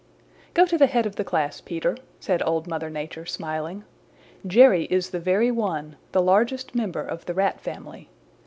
"Go to the head of the class, Peter," said Old Mother Nature, smiling. "Jerry is the very one, the largest member of the Rat family.